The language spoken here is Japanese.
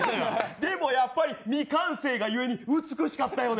でもやっぱり未完成がゆえに美しかったよね。